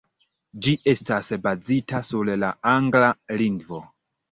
Ĝi estas bazita sur la angla lingvo.